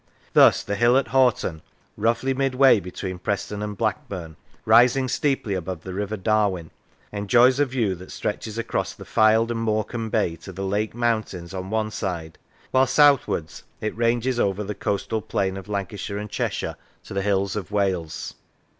Thus the hill at Hoghton, roughly midway between Preston and Blackburn, rising steeply above the River Darwen, enjoys a view that stretches across the Fylde and More cambe Bay to the Lake mountains on one side, while southwards it ranges over the coastal plain of Lan cashire and Cheshire to the hills of Wales.